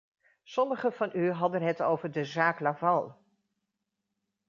Sommigen van u hadden het over de zaak-Laval.